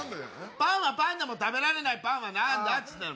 「パンはパンでも食べられないパンはなんだ？」っつってんだよ！